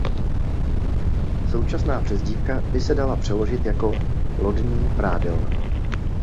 Současná přezdívka by se dala přeložit jako „lodní prádelna“.